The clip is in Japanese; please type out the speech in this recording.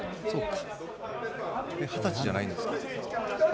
２０歳じゃないんですか？